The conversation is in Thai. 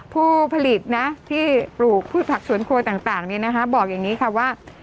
ผู้ผลิตนะที่ปลูกผู้ผลักสวนครัวต่างเนี่ยนะคะบอกอย่างนี้ค่ะว่า